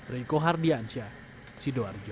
riko hardiansyah sidoarjo